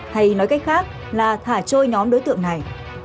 hay nói cách khác là thả trôi nhóm đối tượng này